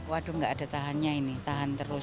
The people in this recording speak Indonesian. waduh nggak ada tahannya ini tahan terus